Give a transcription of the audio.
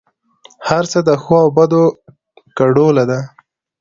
هر څه د ښو او بدو ګډوله ده.